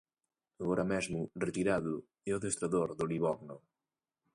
Agora mesmo, retirado, é o adestrador do Livorno.